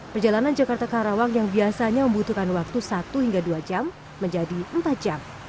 perjalanan jakarta karawang yang biasanya membutuhkan waktu satu hingga dua jam menjadi empat jam